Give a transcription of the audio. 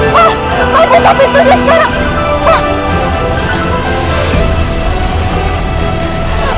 pak bantuin saya pintunya sekarang